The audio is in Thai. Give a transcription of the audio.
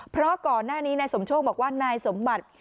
เพราะก่อนหน้านี้นายสมโชคบอกว่านายสมบัติ